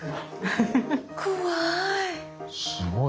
怖い。